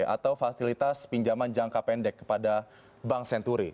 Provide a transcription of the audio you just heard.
atau fasilitas pinjaman jangka pendek kepada bank senturi